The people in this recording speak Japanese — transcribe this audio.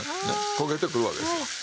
焦げてくるわけですわ。